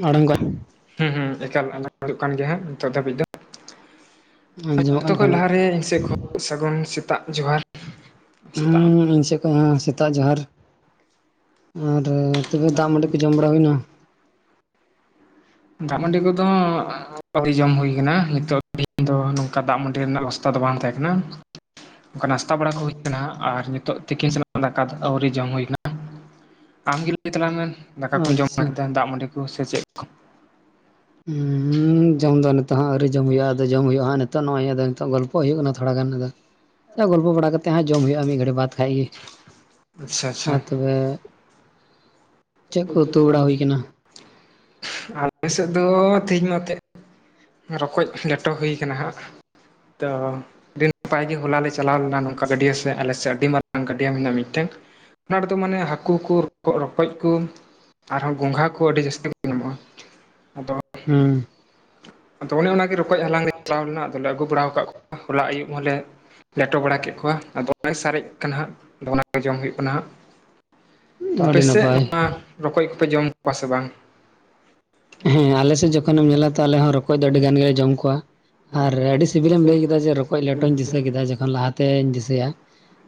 ᱢᱲᱟᱝ ᱠᱚ [unintelligible] ᱦᱩᱸ ᱦᱩᱸ ᱮᱠᱟᱞ ᱟᱸᱡᱚᱢ ᱦᱩᱭᱩᱜ ᱠᱟᱱ ᱜᱮᱭᱟ, ᱱᱤᱛᱚᱜ ᱫᱷᱟᱹᱵᱤᱡ ᱫᱚ᱾ ᱟᱸᱡᱚᱢᱚᱜ ᱡᱚᱛᱚ ᱠᱟᱱ ᱠᱷᱚᱡ ᱠᱷᱟᱱ ᱞᱟᱦᱟ ᱨᱮ ᱤᱧ ᱥᱮᱫ ᱠᱷᱚᱡ ᱥᱟᱹᱜᱩᱱ ᱥᱮᱛᱟᱜ ᱡᱚᱦᱟᱨ᱾ ᱥᱮᱛᱟᱜ ᱦᱩᱸ, ᱤᱧ ᱥᱮᱫ ᱠᱷᱚᱱ ᱦᱚᱸ ᱥᱮᱛᱟᱜ ᱡᱚᱦᱟᱨ᱾ ᱟᱨ ᱛᱚᱵᱮ ᱫᱟᱜ ᱢᱟᱹᱰᱤ ᱠᱚ ᱡᱚᱢ ᱵᱟᱲᱟ ᱦᱩᱭᱱᱟ? ᱫᱟᱜ ᱢᱟᱹᱰᱤ ᱠᱚᱫᱚ, ᱡᱚᱢ ᱦᱩᱭ ᱟᱠᱟᱱᱟ, ᱱᱤᱛᱚᱜ ᱫᱚ ᱱᱚᱝᱠᱟ ᱫᱟᱜ ᱢᱟᱹᱰᱤ ᱨᱮᱱᱟᱜ ᱵᱮᱵᱚᱥᱛᱟ ᱫᱚ ᱵᱟᱝ ᱛᱟᱦᱮᱸ ᱠᱟᱱᱟ᱾ ᱱᱚᱝᱠᱟ ᱱᱟᱥᱛᱟ ᱵᱟᱲᱟ ᱠᱚ ᱦᱩᱭ ᱮᱱᱟ, ᱟᱨ ᱱᱤᱛᱳᱜ ᱛᱤᱠᱤᱱ ᱥᱮᱱᱟᱜ ᱫᱟᱠᱟ ᱟᱹᱣᱨᱤ ᱡᱚᱢ ᱦᱩᱭ ᱠᱟᱱᱟ᱾ ᱟᱢᱜᱮ ᱞᱟᱹᱭ ᱛᱟᱞᱟᱝ ᱢᱮ ᱫᱟᱠᱟ ᱠᱚᱢ ᱡᱚᱢ ᱟᱪᱪᱷᱟ ᱵᱟᱲᱟ ᱠᱮᱫᱟ ᱫᱟᱜ ᱢᱟᱹᱰᱤ ᱠᱚ ᱥᱮ ᱪᱮᱫ ᱠᱚ? ᱦᱩᱸᱻ ᱦᱩᱸ, ᱡᱚᱢ ᱫᱚ ᱱᱤᱛᱚᱜ ᱦᱚᱸ ᱟᱹᱣᱨᱤ ᱡᱚᱢ ᱦᱩᱭᱩᱜᱼᱟ, ᱟᱫᱚ ᱡᱚᱢ ᱦᱩᱭᱩᱜᱼᱟ ᱱᱤᱛᱚᱜ ᱜᱚᱞᱯᱚ ᱦᱩᱭᱩᱜ ᱠᱟᱱᱟ ᱛᱷᱚᱲᱟ ᱜᱟᱱ ᱟᱫᱚ᱾ ᱟᱪᱪᱷᱟ, ᱜᱚᱞᱯᱚ ᱵᱟᱲᱟ ᱠᱟᱛᱮᱜ ᱦᱟᱸᱜ ᱡᱚᱢ ᱦᱩᱭᱩᱜᱼᱟ ᱢᱤᱫ ᱜᱷᱟᱹᱲᱤᱡ ᱵᱟᱫ ᱠᱷᱟᱡ ᱜᱮ᱾ ᱟᱪᱪᱷᱟ ᱟᱪᱪᱷᱟ ᱟᱨ ᱛᱚᱵᱮ ᱪᱮᱫ ᱠᱚ ᱩᱛᱩ ᱵᱟᱲᱟ ᱦᱩᱭ ᱠᱟᱱᱟ? ᱟᱞᱮ ᱥᱮᱫ ᱫᱚ ᱛᱮᱦᱮᱧ ᱢᱟᱛᱮᱫ ᱨᱚᱠᱚᱡ ᱞᱮᱴᱚ ᱦᱩᱭ ᱠᱟᱱᱟ ᱡᱟᱸᱜᱟ, ᱛᱚ [unintelligible] ᱱᱟᱯᱟᱭ ᱜᱮ ᱦᱚᱞᱟ ᱞᱮ ᱪᱟᱞᱟᱣ ᱞᱮᱱᱟ, ᱱᱚᱝᱠᱟ ᱜᱟᱹᱰᱭᱟᱹ ᱥᱮ ᱟᱞᱮ ᱥᱮᱫ ᱟᱹᱰᱤ ᱢᱟᱨᱟᱝ ᱜᱟᱹᱰᱭᱟᱹ ᱢᱮᱱᱟᱜᱼᱟ ᱢᱤᱫᱴᱮᱡ᱾ ᱚᱱᱟ ᱨᱮᱫᱚ ᱦᱟᱹᱠᱩ ᱠᱚ, ᱨᱚᱠᱚᱡ ᱠᱚ, ᱟᱨᱦᱚᱸ ᱜᱚᱸᱜᱷᱟ ᱠᱚ ᱟᱹᱰᱤ ᱡᱟᱹᱥᱛᱤ ᱧᱟᱢᱚᱜᱼᱟ᱾ ᱟᱫᱚ, ᱦᱮᱸ ᱟᱫᱚ ᱚᱱᱮ ᱚᱱᱟᱜᱮ ᱨᱚᱠᱚᱡ ᱦᱟᱞᱟᱝ ᱞᱮ ᱪᱟᱞᱟᱣ ᱞᱮᱱᱟ, ᱟᱫᱚ ᱞᱮ ᱟᱹᱜᱩ ᱵᱟᱲᱟ ᱟᱠᱟᱜ ᱠᱚᱣᱟ ᱦᱚᱞᱟ ᱟᱹᱭᱩᱵ ᱦᱚᱸᱞᱮ ᱞᱮᱴᱚ ᱵᱟᱲᱟ ᱠᱮᱜ ᱠᱚᱣᱟ, ᱟᱫᱚ ᱦᱚᱸᱜ-ᱚᱭ ᱥᱟᱨᱮᱡ ᱠᱟᱱᱟ ᱦᱟᱸᱜ, ᱟᱫᱚ ᱚᱱᱟᱜᱮ ᱡᱚᱢ ᱦᱩᱭᱩᱜ ᱠᱟᱱᱟ ᱦᱟᱸᱜ᱾ᱛᱚ, ᱟᱯᱮ ᱟᱹᱰᱤ ᱥᱮᱫ ᱱᱟᱯᱟᱭ ᱱᱚᱣᱟ ᱨᱚᱠᱚᱡ ᱠᱚᱯᱮ ᱡᱚᱢ ᱠᱚᱣᱟ ᱥᱮ ᱵᱟᱝ? ᱦᱮᱸ, ᱟᱞᱮ ᱥᱮᱫ ᱡᱚᱠᱷᱚᱱᱮᱢ ᱧᱮᱞᱟ ᱛᱚ ᱟᱞᱮ ᱦᱚᱸ ᱨᱚᱠᱚᱡ ᱫᱚ ᱟᱹᱰᱤ ᱜᱟᱱ ᱜᱮᱞᱮ ᱡᱚᱢ ᱠᱚᱣᱟ᱾ ᱟᱨ ᱟᱹᱰᱤ ᱥᱤᱵᱤᱞ ᱮᱢ ᱞᱟᱹᱭ ᱠᱮᱫᱟ ᱡᱮ ᱨᱚᱠᱚᱡ ᱞᱮᱴ ᱴᱚᱧ ᱫᱤᱥᱟᱹ ᱠᱮᱫᱟ ᱡᱚᱠᱷᱚᱱ ᱞᱟᱦᱟᱛᱮᱧ ᱫᱤᱥᱟᱹᱭᱟ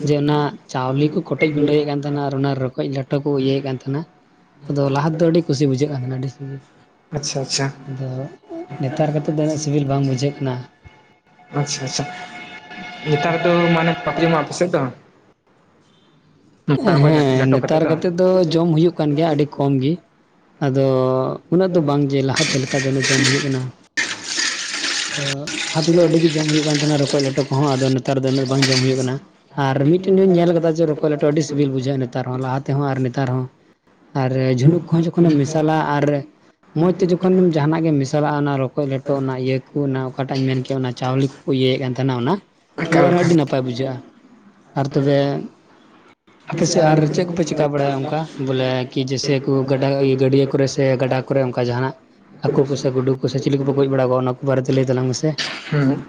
ᱡᱮ, ᱚᱱᱟ ᱪᱟᱣᱞᱮ ᱠᱚ ᱠᱚᱴᱮᱡ ᱜᱩᱰᱟᱹᱭᱮᱫ ᱠᱟᱱ ᱛᱟᱦᱮᱸᱱᱟ ᱟᱨ ᱚᱱᱟ ᱨᱚᱠᱚᱡ ᱞᱮ ᱴᱚ ᱠᱚ ᱤᱭᱟᱹᱭᱮᱫ ᱠᱟᱱ ᱛᱟᱦᱮᱸᱱᱟ, ᱟᱫᱚ ᱞᱟᱦᱟ ᱛᱮᱫᱚ ᱟᱹᱰᱤ ᱠᱩᱥᱤ ᱵᱩᱡᱷᱟᱹᱜ ᱠᱟᱱ ᱛᱟᱸᱦᱮᱱᱟ ᱟᱹᱰᱤ ᱥᱤᱵᱤᱞ᱾ ᱟᱪᱪᱷᱟ ᱟᱪᱪᱷᱟ᱾ ᱟᱫᱚ ᱱᱮᱛᱟᱨ ᱠᱟᱛᱮᱫ ᱫᱚ ᱩᱱᱟᱹᱜ ᱥᱤᱵᱤᱞ ᱵᱟᱝ ᱵᱩᱡᱷᱟᱹᱜ ᱠᱟᱱᱟ᱾ ᱟᱪᱪᱷᱟ ᱟᱪᱪᱷᱟ, ᱱᱮᱛᱟᱨ ᱫᱚ ᱵᱟᱯᱮ ᱡᱚᱢᱟ ᱟᱯᱮ ᱥᱮᱡ ᱫᱚ? ᱱᱚᱝᱠᱟ ᱨᱚᱠᱚᱡ ᱦᱮᱸ, ᱞᱮᱴᱚ ᱱᱮᱛᱟᱨ ᱠᱟᱛᱮᱫ ᱫᱚ ᱡᱚᱢ ᱦᱩᱭᱩᱜ ᱠᱟᱱ ᱜᱮᱭᱟ ᱟᱹᱰᱤ ᱠᱚᱢ ᱜᱮ, ᱟᱫᱚ ᱩᱱᱟᱹᱜ ᱫᱚ ᱵᱟᱝ ᱡᱮ ᱞᱟᱦᱟᱛᱮ ᱞᱮ ᱡᱟ ᱡᱮᱱᱚ ᱡᱚᱢ ᱦᱩᱭᱩᱜ ᱠᱟᱱᱟ᱾ ᱛᱚ, ᱞᱟᱦᱟᱛᱮ ᱫᱚ ᱟᱹᱰᱤ ᱜᱮ ᱡᱚᱢ ᱦᱩᱭᱩᱜ ᱠᱟᱱ ᱛᱟᱸᱦᱮᱱᱟ ᱨᱚᱠᱚᱡ ᱞᱮᱴᱚ ᱠᱚᱦᱚᱸ, ᱟᱫᱚ ᱱᱮᱛᱟᱨ ᱫᱚ ᱤᱱᱟᱹᱜ ᱵᱟᱝ ᱡᱚᱢ ᱦᱩᱭᱩᱜ ᱠᱟᱱᱟ ᱟᱨ ᱢᱤᱫᱴᱮᱱ ᱤᱧ ᱧᱮᱞ ᱟᱠᱟᱫᱟ ᱡᱮ ᱨᱚᱠᱚᱡ ᱞᱮ ᱟᱹᱰᱤ ᱥᱤᱵᱤᱞ ᱵᱩᱡᱷᱟᱹᱜ-ᱟ ᱱᱮᱛᱟᱨ ᱦᱚᱸ ᱞᱟᱦᱟ ᱛᱮᱦᱚᱸ ᱟᱨ ᱱᱮᱛᱟᱨ ᱦᱚᱸ᱾ ᱟᱨ ᱡᱷᱤᱱᱩᱠ ᱠᱚᱦᱚᱸ ᱡᱚᱠᱷᱚᱱᱮᱢ ᱢᱮᱥᱟᱞᱟ ᱟᱨ ᱢᱚᱸᱡᱽ ᱛᱮ ᱡᱚᱠᱷᱚᱱᱮᱢ᱾ ᱡᱟᱦᱟᱱᱟᱜ ᱜᱮ ᱢᱮᱥᱟᱞᱟᱜ-ᱟ, ᱚᱱᱟ ᱨᱚᱠᱚᱡ ᱞᱮᱴᱚ ᱚᱱᱟ ᱤᱭᱟᱹ ᱠᱩ ᱚᱱᱟ ᱚᱠᱟᱴᱟᱜ ᱤᱧ ᱢᱮᱱ ᱠᱮᱫ ᱚᱱᱟ ᱪᱟᱣᱞᱮ ᱠᱩ ᱠᱚ ᱤᱭᱟᱹ ᱠᱟᱱ ᱛᱟᱦᱮᱸᱱᱟ ᱚᱱᱟ ᱚᱱᱟ ᱫᱚᱸ ᱮᱠᱟᱞ ᱟᱨᱦᱚᱸ ᱮᱠᱟᱞ ᱟᱹᱰᱤ ᱱᱟᱯᱟᱭ ᱵᱩᱡᱷᱟᱹᱜ-ᱟ ᱟᱨ ᱛᱚᱵᱮ᱾ ᱟᱯᱮ ᱥᱮᱫ ᱟᱨ ᱪᱮᱫ ᱠᱚᱯᱮ ᱪᱤᱠᱟᱹ ᱵᱟᱲᱟᱭᱟ ᱚᱱᱠᱟ ᱵᱚᱞᱮ ᱠᱤ ᱡᱮ ᱥᱮ ᱠᱤ ᱜᱟᱰᱟ ᱜᱟᱹᱰᱭᱟᱹ ᱠᱚᱨᱮ ᱥᱮ ᱜᱟᱰᱟ ᱠᱚ ᱨᱮ ᱚᱱᱠᱟ ᱡᱟᱦᱟᱱᱟᱜ ᱦᱟᱠᱩ ᱠᱚ ᱥᱮ ᱜᱩᱰᱩ ᱠᱚ᱾ ᱥᱮ ᱪᱤᱞᱤ ᱠᱚ ᱯᱮ ᱜᱚᱡ ᱵᱟᱲᱟ ᱠᱚᱣᱟ ᱚᱱᱟ ᱠᱚ ᱵᱟᱨᱮ ᱛᱮ ᱞᱟᱹᱭ ᱛᱟᱞᱟᱝ ᱢᱮᱥᱮ᱾ ᱦᱩᱸ,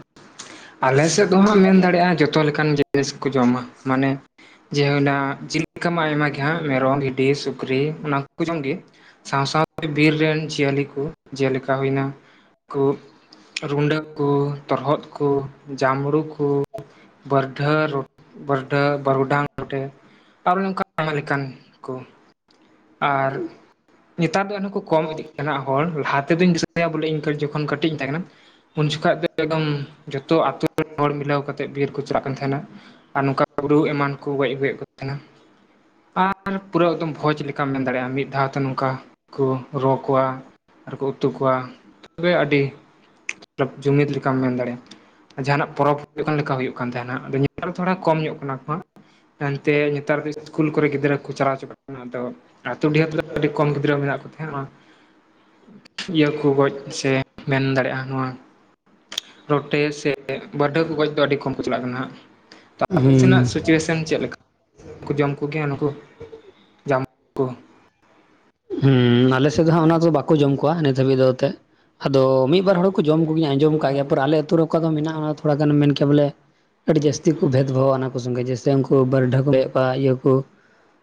ᱟᱞᱮ ᱥᱮᱫ ᱫᱚ ᱦᱟᱸᱜ ᱢᱮᱱ ᱫᱟᱲᱮᱭᱟᱜ-ᱟ ᱡᱚᱛᱚ ᱞᱮᱠᱟᱱ ᱡᱤᱱᱤᱥ ᱠᱚ ᱡᱚᱢᱟ ᱢᱟᱱᱮ ᱡᱮ ᱦᱩᱭ ᱱᱟ [unintelligible] ᱟᱭᱢᱟ ᱜᱮ ᱦᱟᱸᱜ ᱢᱮᱨᱚᱢ ᱵᱷᱤᱰᱤ ᱥᱩᱠᱨᱤ ᱚᱱᱟ ᱠᱚ ᱠᱚ ᱡᱚᱢ ᱜᱤ ᱥᱟᱶ ᱥᱟᱶ ᱛᱮ ᱵᱤᱨ ᱨᱮᱱ ᱡᱤᱭᱟᱹᱞᱤ ᱠᱩ ᱡᱮᱞᱮᱠᱟ ᱦᱩᱭ ᱮᱱᱟ ᱠᱚ [unintelligible] ᱩᱱᱠᱩ ᱛᱚᱨᱦᱚᱫ ᱠᱩ ᱡᱟᱢᱲᱩ ᱠᱩ ᱵᱟᱹᱮᱢᱷᱟᱹ [unintelligible] ᱵᱟᱹᱨᱩᱰᱟᱝ ᱨᱚᱴᱮ, ᱟᱨᱚ ᱱᱚᱱᱠᱟᱱ ᱟᱭᱢᱟ ᱞᱮᱠᱟᱱ ᱠᱩ ᱟᱨ ᱱᱮᱛᱟᱨ ᱫᱚ ᱮᱱᱦᱚᱸ ᱠᱚ ᱠᱚᱢ ᱤᱫᱤᱜ ᱠᱟᱱᱟ ᱦᱚᱲ ᱞᱟᱦᱟᱛᱮᱫᱩᱧ ᱫᱤᱥᱟᱹᱭᱟ ᱵᱚᱞᱮ ᱤᱧ ᱠᱷᱚᱡ ᱡᱚᱠᱷᱚᱱ ᱠᱟᱹᱴᱤᱡ [inaudible] ᱤᱧ ᱛᱟᱦᱮᱸ ᱠᱟᱱᱟ ᱩᱱ ᱡᱚᱠᱷᱟᱡ ᱫᱚ ᱮᱠᱫᱚᱢ ᱡᱚᱛᱚ ᱟᱹᱛᱩ ᱨᱮᱱ ᱦᱚᱲ ᱢᱤᱞᱟᱹᱣ ᱠᱟᱛᱮ ᱵᱤᱨ ᱠᱩ ᱪᱟᱞᱟᱜ ᱠᱟᱱ ᱛᱟᱦᱮᱱᱟ ᱟᱨ ᱱᱚᱝᱠᱟ ᱜᱩᱵᱩ ᱮᱢᱟᱱ ᱠᱩ ᱜᱚᱡ ᱟᱹᱜᱩᱭᱮᱫ ᱠᱚ ᱛᱟᱦᱮᱱᱟ ᱟᱨ ᱯᱩᱨᱟᱹ ᱮᱠᱫᱚᱢ ᱵᱷᱚᱡᱽ ᱞᱮᱠᱟᱢ ᱢᱮᱱ ᱫᱟᱲᱮᱭᱟᱜ-ᱟ ᱢᱤᱫ ᱫᱷᱟᱣᱛᱮ ᱱᱚᱝᱠᱟ ᱠᱩᱨᱚ ᱠᱚᱣᱟ ᱟᱨ ᱠᱩ ᱩᱛᱩ ᱠᱚᱣᱟ [inaudible] ᱟᱹᱰᱤ [inaudible] ᱡᱩᱢᱤᱫ ᱞᱮᱠᱟᱢ ᱢᱮᱱ ᱫᱟᱲᱮᱭᱟᱜ-ᱟ ᱡᱟᱦᱟᱱᱟᱜ ᱯᱚᱨᱚᱵᱽ ᱦᱩᱭᱩᱜ ᱠᱟᱱ ᱞᱮᱠᱟ ᱦᱩᱭᱩᱜ ᱠᱟᱱ ᱛᱟᱦᱮᱱᱟ ᱟᱫᱚ ᱱᱮᱛᱟᱨ ᱫᱚ ᱛᱷᱚᱲᱟ ᱠᱚᱢ ᱧᱚᱜ ᱠᱟᱱᱟ ᱠᱚ ᱮᱱᱛᱮ ᱱᱮᱛᱟᱨ ᱫᱚ ᱤᱥᱠᱩᱞ ᱠᱚ ᱨᱮ ᱜᱤᱫᱽᱟᱹ ᱠᱚ ᱪᱟᱞᱟᱣ ᱪᱟᱵᱟᱜ ᱠᱟᱱᱟ ᱟᱫᱚ [inaudible] [inaudible] ᱟᱹᱰᱤ ᱠᱚᱢ ᱜᱤᱫᱽᱨᱟᱹ ᱢᱮᱱᱟᱜ ᱠᱚ [unintelligible] ᱤᱭᱟᱹ ᱠᱩ ᱜᱚᱡ ᱥᱮ ᱢᱮᱱ ᱫᱟᱲᱮᱭᱟᱜ-ᱟ ᱱᱚᱣᱟ ᱨᱚᱴᱮ ᱥᱮ ᱵᱟᱹᱨᱰᱷᱟᱹ ᱠᱩ ᱜᱚᱡ ᱫᱚ ᱟᱹᱰᱤ ᱠᱚᱢ ᱠᱚ ᱪᱟᱞᱟᱜ ᱠᱟᱱᱟ ᱦᱟᱸ ᱦᱩᱸ [inaudible] [inaudible] ᱪᱮᱫ ᱞᱮᱠᱟ ᱠᱩ ᱡᱚᱢ ᱠᱚᱜᱮᱭᱟ ᱱᱩᱠᱩ [inaudible] ᱠᱩ ᱦᱩᱸ ᱟᱞᱮ ᱥᱮᱫ ᱫᱚ ᱦᱟᱸᱜ ᱚᱱᱟ ᱠᱚ ᱫᱚ ᱵᱟᱠᱚ ᱡᱚᱢ ᱠᱚᱣᱟ ᱱᱤᱛ ᱦᱟᱹᱵᱤᱡ ᱫᱚ ᱛᱮ ᱟᱫᱚ ᱢᱤᱫ ᱵᱟᱨ ᱦᱚᱲ ᱠᱚ ᱡᱚᱢ ᱠᱚᱜᱤᱭᱟ ᱟᱸᱡᱚᱢ ᱠᱟᱜ ᱜᱮᱭᱟ ᱯᱟᱨ ᱟᱞᱮ ᱟᱹᱛᱩ ᱨᱮ ᱚᱠᱟ ᱢᱮᱱᱟᱜ-ᱟ ᱚᱱᱟ ᱛᱷᱚᱲᱟ ᱜᱟᱱᱮᱢ ᱢᱮᱱ ᱠᱮᱭᱟ ᱵᱚᱞᱮ ᱟᱹᱰᱤ ᱡᱟᱹᱥᱛᱤ ᱠᱩ ᱵᱷᱮᱫᱽ ᱵᱷᱟᱣ ᱚᱱᱟ ᱠᱩ ᱥᱚᱸᱜᱮ ᱡᱮᱥᱮ ᱩᱱᱠᱩ ᱵᱟᱹᱨᱰᱷᱟᱹ [inaudible] ᱠᱚᱣᱟ ᱤᱭᱟᱹ ᱠᱩ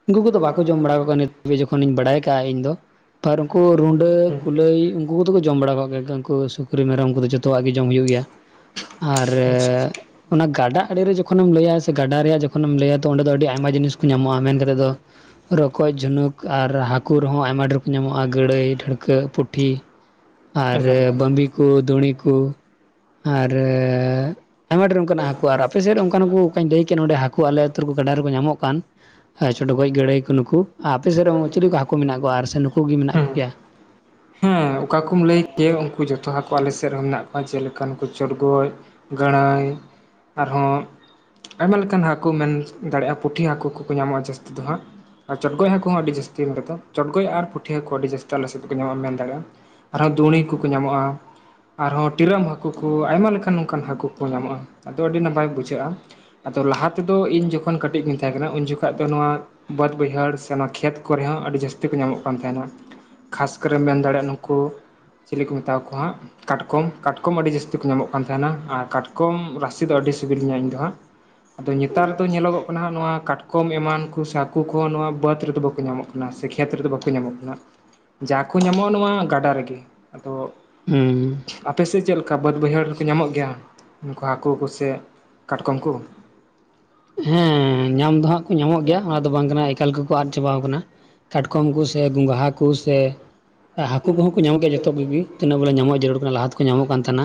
ᱩᱱᱠᱩ ᱠᱚ ᱫᱚ ᱵᱟᱠᱚ ᱡᱚᱢ ᱵᱟᱲᱟ ᱠᱟᱜ ᱠᱚᱣᱟ ᱱᱤᱛ ᱦᱟᱵᱤᱡ ᱡᱚᱠᱷᱚᱱ ᱤᱧ ᱵᱟᱰᱟᱭ ᱤᱧ ᱫᱚ ᱯᱟᱨ ᱩᱱᱠᱩ ᱨᱩᱰᱟᱹ ᱦᱮᱸ ᱠᱩᱞᱟᱹᱭ ᱩᱱᱠᱩ ᱠᱩ ᱫᱚ ᱠᱩ ᱡᱚᱢ ᱵᱟᱲᱟ ᱠᱟᱜ ᱜᱮᱭᱟ ᱩᱱᱠᱩ ᱥᱩᱠᱨᱤ ᱢᱮᱨᱚᱢ ᱠᱩ ᱫᱚ ᱡᱚᱜ ᱛᱚᱣᱟᱜ ᱜᱮ ᱡᱚᱢ ᱦᱩᱭᱩᱜ ᱜᱮᱭᱟ ᱟᱨ ᱚᱱᱟ ᱜᱟᱰᱟ ᱟᱲᱮᱨᱮ ᱡᱚᱠᱷᱚᱱᱮᱢ ᱞᱟᱹᱭᱟ ᱥᱮ ᱜᱟᱰᱟ ᱨᱮᱭᱟᱜ ᱡᱚᱠᱷᱚᱱᱮᱢ ᱞᱟᱹᱭᱟ ᱛᱚ ᱚᱸᱰᱮ ᱫᱚ ᱟᱹᱰᱤ ᱟᱭᱢᱟ ᱡᱤᱱᱤᱥ ᱠᱚ ᱧᱟᱢᱚᱜ-ᱟ ᱢᱮᱱ ᱠᱟᱛᱮᱫ ᱫᱚ ᱨᱚᱠᱚᱡ ᱡᱷᱩᱱᱩᱠ ᱟᱨ ᱦᱟᱠ ᱠᱩ ᱨᱮ ᱦᱚᱸ ᱟᱭᱢᱟ ᱰᱷᱤᱨ ᱠᱚ ᱧᱟᱢᱚᱜ-ᱟ ᱜᱟᱹᱲᱟᱹᱭ ᱰᱷᱟᱹᱲᱠᱟᱹ ᱯᱩᱴᱷᱤ ᱟᱨ ᱵᱟᱸᱵᱤ ᱠᱩ ᱫᱩᱲᱤ ᱠᱩ ᱟᱨ ᱟᱭᱢᱟ ᱰᱷᱤᱨ ᱚᱱᱠᱟ ᱱᱟᱜ ᱦᱟᱹᱠᱩ ᱟᱨ ᱟᱯᱮ ᱥᱮᱫ ᱚᱱᱠᱟᱱ ᱦᱟᱠᱩ ᱚᱠᱟᱧ ᱞᱟᱹᱭ ᱠᱮᱫ ᱱᱚᱰᱮ ᱦᱟᱹᱠᱩ ᱟᱞᱮ ᱟᱛᱩ ᱨᱮ ᱠᱩ ᱜᱟᱰᱟ ᱨᱮ ᱠᱚ ᱧᱟᱢᱚᱜ ᱠᱟᱱ ᱟᱨ ᱪᱚᱰ ᱜᱚᱡ ᱜᱟᱹᱲᱟᱹᱭ ᱠᱩ ᱱᱩᱠᱩ ᱟᱯᱮ ᱥᱮᱫ ᱨᱮ ᱪᱤᱞᱤ ᱠᱩ ᱦᱟᱹᱠᱩ ᱢᱮᱱᱟᱜ ᱠᱚᱣᱟ ᱟᱨ ᱥᱮ ᱱᱩᱠᱩ ᱜᱮ ᱢᱮᱱᱟᱜ ᱠᱚᱜᱮᱭᱟ ᱦᱮᱸ ᱚᱠᱟ ᱠᱚᱢ ᱞᱟᱹᱭ ᱠᱮᱭᱟ ᱩᱱᱠᱩ ᱡᱷᱚᱛᱚ ᱦᱟᱹᱠᱩ ᱟᱞᱮ ᱥᱮᱫ ᱨᱮ ᱦᱚᱸ ᱢᱮᱱᱟᱜ ᱠᱚᱣᱟ ᱪᱮᱫ ᱞᱮᱠᱟᱱ ᱠᱩ ᱪᱚᱲ ᱜᱚᱡ ᱜᱟᱺᱲᱟᱹᱭ ᱟᱨ ᱦᱚᱸ ᱟᱭᱢᱟ ᱞᱮᱠᱟᱱ ᱦᱟᱹᱠᱩ ᱢᱮᱱ ᱫᱟᱲᱮᱭᱟᱜ-ᱟ ᱯᱩᱴᱷᱤ ᱦᱟᱹᱠᱩ ᱠᱚ ᱠᱚ ᱧᱟᱢᱚᱜ-ᱟ ᱡᱟᱹᱥᱛᱤ ᱫᱚ ᱦᱟᱸᱜ᱾ ᱟᱨ ᱪᱚᱰᱜᱚᱡ ᱦᱟᱹᱠᱩ ᱦᱚᱸ ᱟᱹᱰᱤ ᱡᱟᱹᱥᱛᱤ ᱱᱚᱰᱮ ᱫᱚ ᱪᱚᱰᱜᱚᱡ ᱟᱨ ᱯᱩᱴᱷᱤ ᱦᱟᱹᱠᱩ ᱟᱹᱰᱤ ᱡᱟᱹᱥᱛᱤ ᱟᱞᱮ ᱥᱮᱫ ᱫᱚ ᱧᱟᱢᱚ-ᱟ ᱢᱮᱱ ᱫᱟᱲᱮᱟᱜ-ᱟ ᱟᱨ ᱦᱚᱸ ᱫᱩᱲᱤ ᱦᱟᱠᱩ ᱠᱚ ᱧᱟᱢᱚᱜ-ᱟ ᱟᱨ ᱦᱚᱸ ᱴᱤᱨᱟᱹᱢ ᱦᱟᱠᱩ ᱠᱩ ᱟᱭᱢᱟ ᱞᱮᱠᱟᱱ ᱚᱱᱠᱟᱱ ᱦᱟᱹᱠᱩ ᱠᱩ ᱧᱟᱢᱚᱜ-ᱟ ᱟᱫᱚ ᱟᱹᱰᱤ ᱱᱟᱯᱟᱭ ᱵᱩᱡᱷᱟᱹᱜ-ᱟ ᱟᱫᱚ ᱞᱟᱦᱟ ᱛᱮ ᱫᱚ ᱤᱧ ᱡᱚᱠᱷᱚᱱ ᱠᱟᱹᱴᱤᱡ ᱜᱤᱧ ᱛᱟᱦᱮᱸ ᱠᱟᱱᱟ ᱩᱱ ᱡᱚᱠᱷᱚᱡ ᱫᱚ ᱱᱚᱣᱟ ᱵᱟᱹᱛᱽ ᱵᱟᱹᱭᱦᱟᱹᱲ ᱥᱮ ᱚᱱᱟ ᱠᱷᱮᱛ ᱠᱚ ᱨᱮ ᱦᱚᱸ ᱟᱹᱰᱤ ᱡᱟᱹᱥᱛᱤ ᱠᱚ ᱧᱟᱢᱚᱜ ᱠᱟᱱ ᱛᱟᱦᱮᱱᱟ ᱠᱷᱟᱥ ᱠᱚᱨᱮᱢ ᱢᱮᱱ ᱫᱟᱲᱮᱭᱟᱜ-ᱟ ᱱᱩᱠᱩ ᱪᱤᱞᱤ ᱠᱚ ᱢᱮᱛᱟᱣᱟ ᱠᱚᱣᱟ ᱦᱟᱸᱜ ᱠᱟᱴᱠᱚᱢ ᱠᱟᱴᱠᱚᱢ ᱟᱹᱰᱤ ᱡᱟᱹᱥᱛᱤ ᱠᱚ ᱧᱟᱢᱚᱜ ᱠᱟᱱ ᱛᱟᱦᱮᱱᱟ ᱟᱨ ᱠᱟᱴᱠᱚᱢ ᱨᱟᱥᱤ ᱫᱚ ᱟᱹᱰᱤ ᱥᱤᱵᱤᱞ ᱤᱧ ᱫᱚ ᱦᱟᱸᱜ ᱟᱫᱚ ᱱᱮᱛᱟᱨ ᱫᱚ ᱧᱮᱞᱚᱜ ᱜᱚᱜ ᱠᱟᱱᱟ ᱱᱚᱣᱟ ᱠᱟᱴᱠᱚᱢ ᱮᱢᱟᱱ ᱠᱩ ᱥᱮ ᱦᱟᱹᱠᱩ ᱠᱚᱸ ᱦᱚᱸ ᱱᱚᱣᱟ ᱵᱟᱹᱛᱽ ᱨᱮ ᱫᱚ ᱵᱟᱠᱚ ᱧᱟᱢᱚᱜ ᱠᱟᱱᱟ ᱥᱮ ᱠᱷᱮᱛ ᱨᱮ ᱫᱚ ᱵᱟᱠᱚ ᱧᱟᱢᱚᱜ ᱠᱟᱱᱟ ᱡᱟ ᱠᱚ ᱧᱟᱢᱚᱜᱼᱟ ᱱᱚᱣᱟ ᱜᱟᱰᱟ ᱨᱮᱜᱮ ᱟᱫᱚ ᱦᱩᱸ ᱟᱯᱮ ᱥᱮᱫ ᱪᱮᱫ ᱞᱮᱠᱟ ᱵᱟᱹᱫ ᱵᱟᱹᱭᱦᱟᱹᱲ ᱨᱮᱠᱚ ᱧᱟᱢᱚᱜ ᱜᱮᱭᱟ ᱱᱚᱠᱟ ᱦᱟᱹᱠᱩ ᱠᱚ ᱥᱮ ᱠᱟᱴᱠᱚᱢ ᱠᱚ? ᱦᱮᱸ ᱧᱟᱢ ᱫᱚ ᱦᱟᱸᱜ ᱠᱚ ᱧᱟᱢᱚᱜ ᱜᱮᱭᱟ ᱚᱱᱟ ᱫᱚ ᱵᱟᱝ ᱠᱟᱱᱟ ᱮᱠᱟᱞ ᱜᱮᱠᱚ ᱟᱫ ᱪᱟᱵᱟᱣ ᱟᱠᱟᱱᱟ᱾ ᱠᱟᱴᱠᱚᱢ ᱠᱩ ᱥᱮ ᱜᱚᱝᱜᱷᱟ ᱠᱩ ᱥᱮ ᱟᱨ ᱦᱟᱹᱠᱩ ᱠᱚᱦᱚᱸ ᱠᱚ ᱧᱟᱢᱚᱜ ᱜᱮᱭᱟ ᱡᱚᱛᱚ ᱠᱚᱜᱤ ᱛᱤᱱᱟᱹᱜ ᱵᱚᱞᱮ ᱧᱟᱢᱚᱜ ᱡᱟᱹᱨᱩᱲ ᱠᱟᱱᱟ ᱞᱟᱦᱟ ᱛᱮᱠᱚ ᱧᱟᱢᱚᱜ ᱠᱟᱱ ᱛᱟᱦᱮᱱᱟ᱾